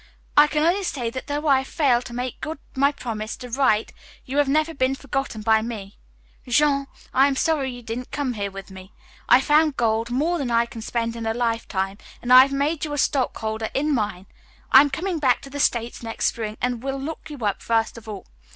I can only say that though I have failed to make good my promise to write, you have never been forgotten by me. Jean, I am sorry you didn't come here with me. I found gold, more than I can spend in a lifetime, and I have made you a stockholder in my mine. I am coming back to the States next spring and will look you up first of all.